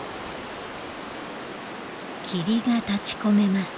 霧が立ちこめます。